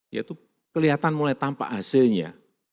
ya itu kelihatan mulai tampak hasilnya